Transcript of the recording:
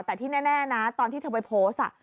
แต่ที่แน่นะตอนที่เธอไปโพสต์